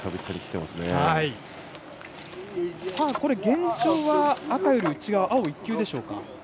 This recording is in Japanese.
現状は赤より内側青１球でしょうか。